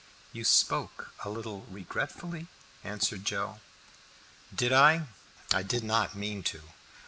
"You spoke a little regretfully," answered Joe. "Did I? I did not mean to.